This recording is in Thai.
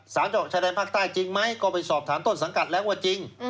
เจาะชายแดนภาคใต้จริงไหมก็ไปสอบถามต้นสังกัดแล้วว่าจริง